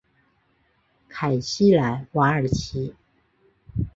坎西莱瓦尔齐。